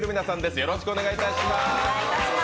よろしくお願いします。